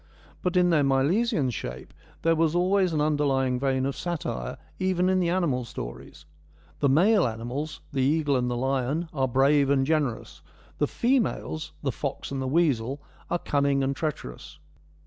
But in their Milesian shape there was always an underlying vein of satire, even in the animal stories. The male animals, the eagle and the lion, are brave and generous ; the females, the fox and the weasel, are cunning and treacherous.